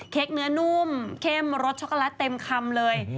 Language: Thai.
เนื้อนุ่มเข้มรสช็อกโกแลตเต็มคำเลย